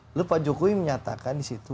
lalu pak jokowi menyatakan disitu